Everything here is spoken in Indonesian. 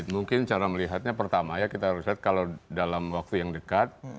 mungkin cara melihatnya pertama ya kita harus lihat kalau dalam waktu yang dekat